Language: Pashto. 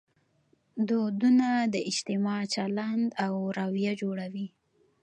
دودونه د اجتماع چلند او رویه جوړوي.